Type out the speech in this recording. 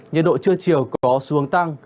nhiệt độ trưa chiều có xu hướng tăng